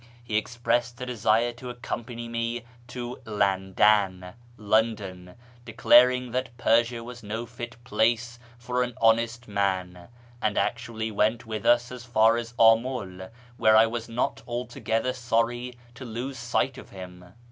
He expressed a desire to accompany me to " Landan " (London), declaring that Persia was no fit place for an honest man, and actually went with us as far as Amul, where I was not altogether sorry to lose sight of him.